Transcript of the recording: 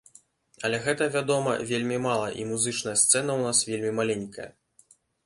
Але гэта, вядома, вельмі мала, і музычная сцэна ў нас вельмі маленькая.